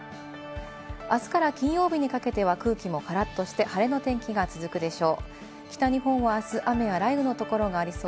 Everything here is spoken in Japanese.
明日から金曜日にかけては、空気もカラッとして、晴れの天気が続くでしょう。